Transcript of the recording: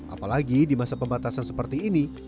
apalagi di masa pembatasan seperti ini